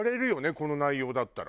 この内容だったら。